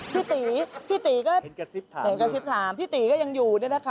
พี่ตีพี่ตีก็เห็นกระซิบถามพี่ตีก็ยังอยู่เนี่ยนะคะ